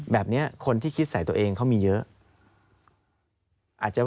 แบบนี้คนที่คิดใส่ตัวเองเขามีเยอะ